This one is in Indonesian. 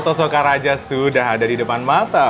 atau sokaraja sudah ada di depan mata